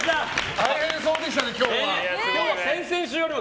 大変そうでしたね、今日は。